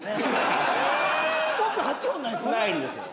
奥８本無いんですよね。